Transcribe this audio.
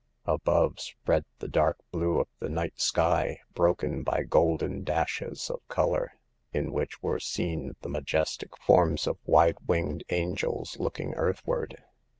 Above spread the dark blue of the night sky, broken by golden dashes of color, in which were seen the majes tic forms of wide winged angels looking earth ward.